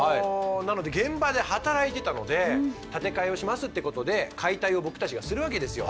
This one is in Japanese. なので現場で働いてたので建て替えをしますってことで解体を僕たちがするわけですよ。